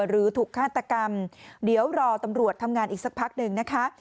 หรือถูกฆาตกรรมเดี๋ยวรอตำรวจทำงานอีกสักพักหนึ่งนะคะ